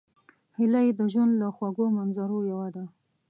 هیلۍ د ژوند له خوږو منظرو یوه ده